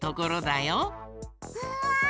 うわ！